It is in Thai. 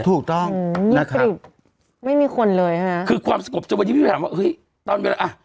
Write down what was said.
จริงนี่ไม่มีคนเลยเพราะนะคือความสะกพจนวันนี้พี่ถามว่า